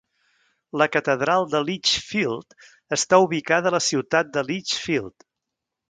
La catedral de Lichfield està ubicada a la ciutat de Lichfield.